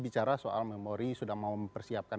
bicara soal memori sudah mau mempersiapkan